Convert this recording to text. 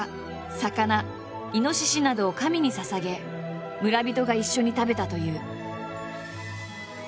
魚猪などを神にささげ村人が一緒に食べたという。